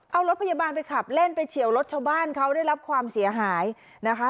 เอารถพยาบาลไปขับเล่นไปเฉียวรถชาวบ้านเขาได้รับความเสียหายนะคะ